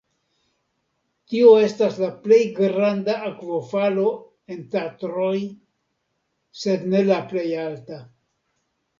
Tio estas la plej granda akvofalo en Tatroj sed ne la plej alta.